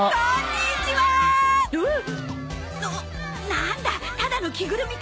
なんだただの着ぐるみか。